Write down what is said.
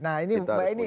nah ini mbak eni